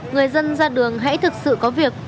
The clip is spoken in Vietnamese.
người dân ra đường hãy thực sự có việc